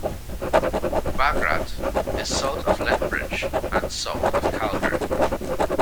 Magrath is south of Lethbridge and south of Calgary.